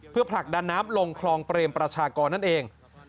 เพื่อผลักดันน้ำลงคลองเปรมประชากรนั่นเอง